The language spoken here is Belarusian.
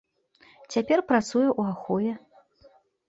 Цяпер працуе ў ахове.